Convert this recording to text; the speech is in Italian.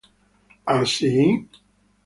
Ah sì?...